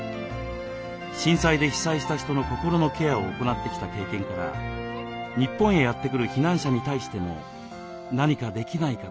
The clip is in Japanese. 震災で被災した人の心のケアを行ってきた経験から日本へやって来る避難者に対しても何かできないかと考えました。